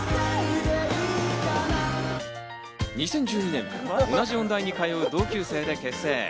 ２０１２年、同じ音大に通う同級生で結成。